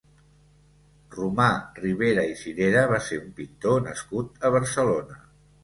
Romà Ribera i Cirera va ser un pintor nascut a Barcelona.